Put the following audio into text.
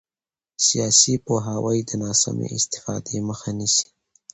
سیاسي پوهاوی د ناسمې استفادې مخه نیسي